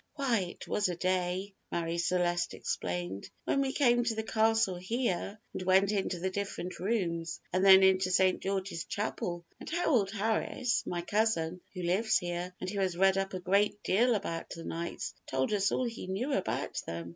"Why, it was a day," Marie Celeste explained, "when we came to the castle here and went into the different rooms and then into St. George's Chapel, and Harold Harris, my cousin, who lives here, and who has read up a great deal about the knights, told us all he knew about them.